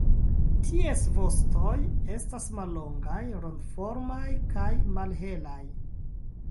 Ties vostoj estas mallongaj, rondoformaj kaj malhelaj.